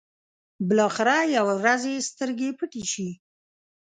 بلاخره يوه ورځ يې سترګې پټې شي.